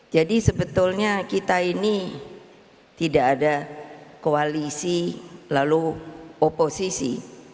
jadi sebetulnya kita ini tidak ada koalisi lalu oposisi